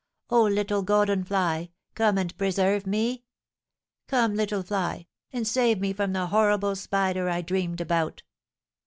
Oh, little golden fly, come and preserve me! Come, little fly, and save me from the horrible spider I dreamed about!'